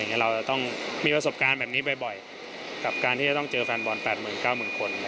เราจะต้องมีประสบการณ์แบบนี้บ่อยกับการที่จะต้องเจอแฟนบอล๘๙๐๐คน